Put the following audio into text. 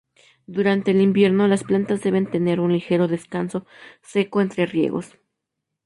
Durante el invierno las plantas deben tener un ligero descanso seco entre riegos.